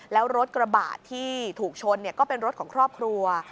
แล้วรถกระบะที่ถูกชนก็เป็นรถของครอบครัว